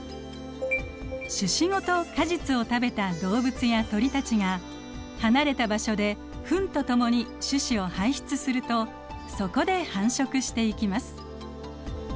種子ごと果実を食べた動物や鳥たちが離れた場所でフンと共に種子を排出するとそこで繁殖していきます。